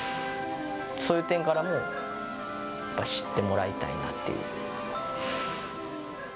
そういう点からも、知ってもらいたいなっていう。